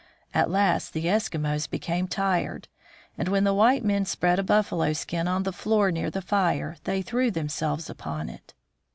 At last the Eskimos became tired, and when the white men spread a buffalo skin on the floor near the fire, they threw themselves upon it.